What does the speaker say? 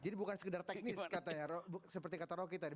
jadi bukan sekedar teknis katanya seperti kata rocky tadi